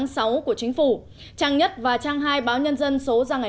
xin chào và hẹn gặp lại